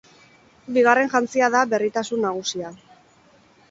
Bigarren jantzia da berritasun nagusia.